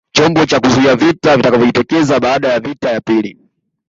Chombo cha kuzuia vita vitakavyojitokeza baada ya vita ya pili